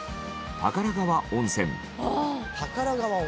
宝川温泉。